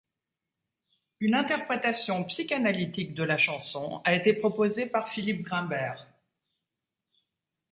Une interprétation psychanalytique de la chanson a été proposée par Philippe Grimbert.